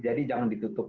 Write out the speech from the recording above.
jadi jangan ditutup